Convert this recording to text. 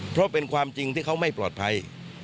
เพราะเป็นความจริงที่เขาไม่ปลอดภัย